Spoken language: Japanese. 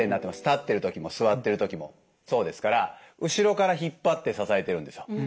立ってる時も座ってる時もそうですから後ろから引っ張って支えてるんですよ。